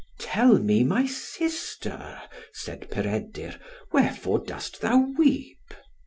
"Tell me, my sister," said Peredur, "wherefore dost thou weep?"